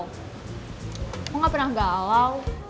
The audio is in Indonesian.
kamu gak pernah galau